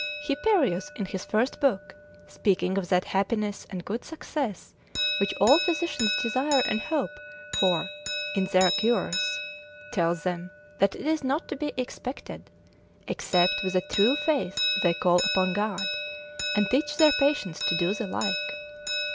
Hyperius in his first book de sacr. script. lect. speaking of that happiness and good success which all physicians desire and hope for in their cures, tells them that it is not to be expected, except with a true faith they call upon God, and teach their patients to do the like.